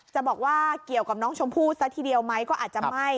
จะบอกว่าเกี่ยวกับน้องชมพู่ซะทีเดียวไหมก็อาจจะไม่